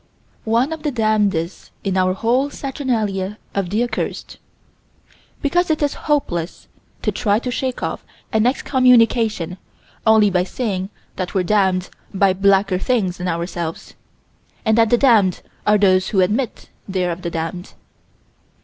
11 One of the damnedest in our whole saturnalia of the accursed Because it is hopeless to try to shake off an excommunication only by saying that we're damned by blacker things than ourselves; and that the damned are those who admit they're of the damned.